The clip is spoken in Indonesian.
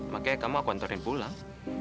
jadi saya akan mengantarkan kamu pulang